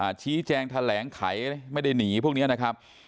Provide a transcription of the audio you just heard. ชี้แจงแถลงไขไม่ได้หนีพวกเนี้ยนะครับ